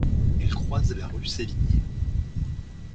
Elle croise la rue Sévigné.